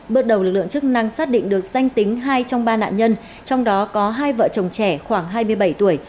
bước đầu lực lượng chức năng xác định được danh tính hai trong ba nạn nhân trong đó có hai vợ chồng trẻ khoảng hai mươi bảy tuổi